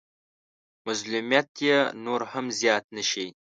مظلوميت يې نور هم زيات نه شي.